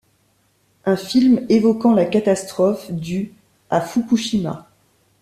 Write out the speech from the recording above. Un film évoquant la catastrophe du à Fukushima.